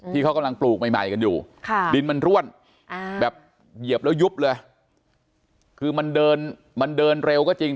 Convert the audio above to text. ที่เขากำลังปลูกใหม่กันอยู่ดินมันร่วนแบบเหยียบแล้วยุบเลยคือมันเดินมันเดินเร็วก็จริง